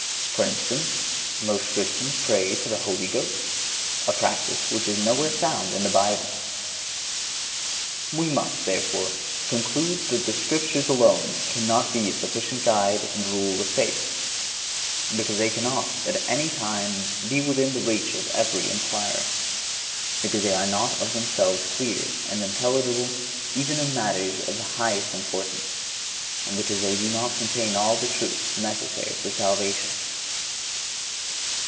(150) For instance, most Christians pray to the Holy Ghost, a practice which is nowhere found in the Bible. We must, therefore, conclude that the Scriptures alone cannot be a sufficient guide and rule of faith because they cannot, at any time, be within the reach of every inquirer; because they are not of themselves clear and intelligible even in matters of the highest importance, and because they do not contain all the truths necessary for salvation.